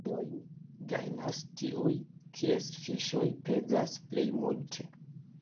La premiojn gajnas tiuj, kies fiŝoj pezas plej multe.